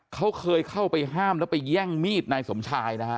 เขาเคยเข้าไปห้ามแล้วไปแย่งมีดนายสมชายนะฮะ